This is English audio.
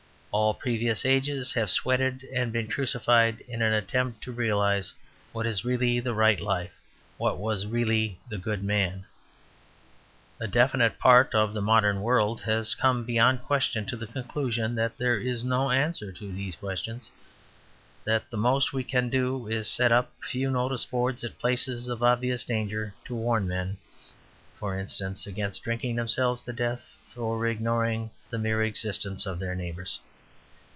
All previous ages have sweated and been crucified in an attempt to realize what is really the right life, what was really the good man. A definite part of the modern world has come beyond question to the conclusion that there is no answer to these questions, that the most that we can do is to set up a few notice boards at places of obvious danger, to warn men, for instance, against drinking themselves to death, or ignoring the mere existence of their neighbours.